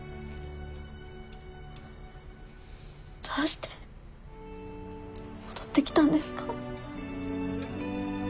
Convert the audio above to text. どうして戻って来たんですか？